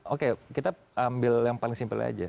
oke kita ambil yang paling simpel aja